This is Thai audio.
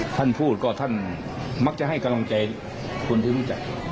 ท่านพูดก็ท่านมักจะให้กำลังใจคนที่รู้จัก